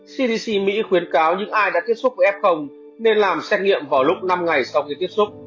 cdc mỹ khuyến cáo những ai đã tiếp xúc với f nên làm xét nghiệm vào lúc năm ngày sau khi tiếp xúc